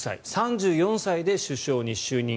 ３４歳で首相に就任。